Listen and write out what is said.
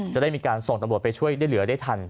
จะได้มีการส่งตำรวจไปช่วยได้เหลือได้ทัน